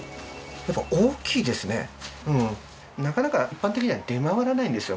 やっぱなかなか一般的には出回らないんですよ